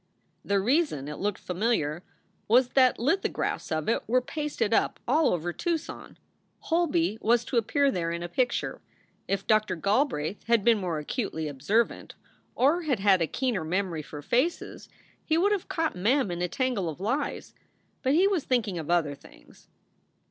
The reason it looked familiar was that lithographs of it were pasted up all over Tucson. Holby was to appear there in a picture. If Doctor Galbraith had been more acutely observant, or had had a keener memory for faces, he would have caught Mem in a tangle of lies. But he was thinking of other things.